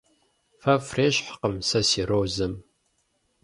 Фэ фрещхькъым сэ си розэм.